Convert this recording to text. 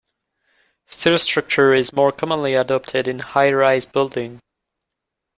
Steel structure is more commonly adopted in high-rise building.